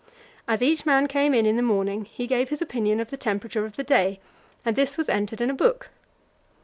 As each man came in in the morning he gave his opinion of the temperature of the day, and this was entered in a book.